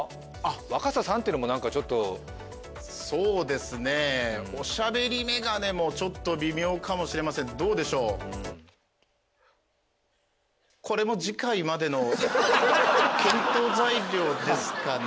若狭さんってのもなんかちょっとそうですねおしゃべり眼鏡もちょっと微妙かもしれませんどうでしょうこれもですかね